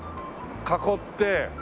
囲って。